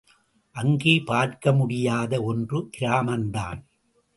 அங்கே பார்க்க முடியாத ஒன்று கிராமம் தான்.